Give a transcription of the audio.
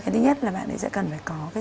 thứ nhất là bạn ấy sẽ cần phải có